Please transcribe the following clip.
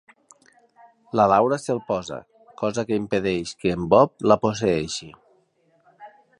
La Laura se'l posa, cosa que impedeix que en Bob la posseeixi.